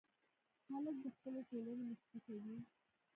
هلک د خپلې ټولنې مشري کوي.